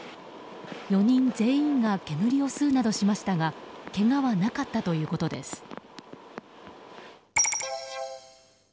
４人全員が煙を吸うなどしましたがけがはなかったということです。